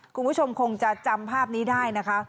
คุณผู้ชมคงจะจำภาพนี้ได้นะคะ